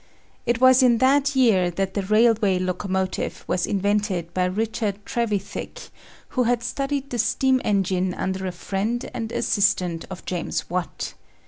It was in that year that the railway locomotive was invented by Richard Trevithick, who had studied the steam engine under a friend and assistant of James Watt.